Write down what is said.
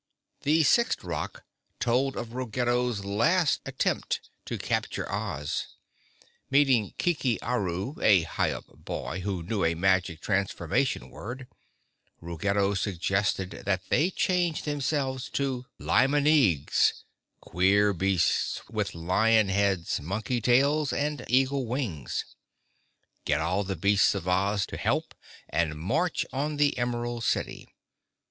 The sixth rock told of Ruggedo's last attempt to capture Oz. Meeting Kiki Aru, a Highup boy who knew a magic transformation word, Ruggedo suggested that they change themselves to Limoneags—queer beasts with lion heads, monkey tails and eagle wings—get all the beasts of Oz to help and march on the Emerald City.